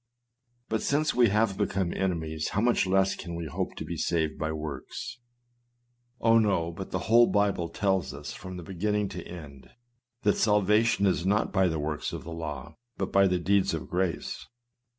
But since we have become enemies, how much less can we hope to be saved by works! Oh! no; but the whole Bible tells us, from beginning to end, that salva tion is not by the works of the law, but by the deeds of grace.